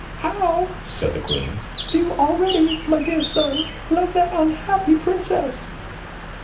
"How!" said the Queen; "do you already, my dear son, love that unhappy Princess?"